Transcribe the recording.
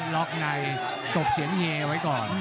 ล็อกในตบเสียงเฮไว้ก่อน